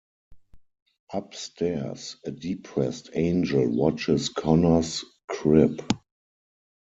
Upstairs, a depressed Angel watches Connor's crib.